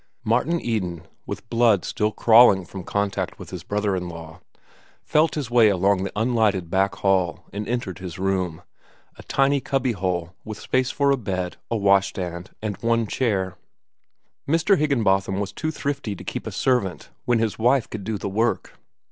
Martin Eden, with blood still crawling from contact with his brother in law, felt his way along the unlighted back hall and entered his room, a tiny cubbyhole with space for a bed, a wash stand, and one chair. Mr. Higginbotham was too thrifty to keep a servant when his wife could do the work.